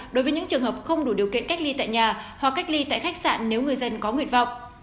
đối với những trường hợp không đủ điều kiện cách ly tại nhà hoặc cách ly tại khách sạn nếu người dân có nguyện vọng